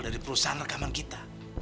dari perusahaan rekaman kita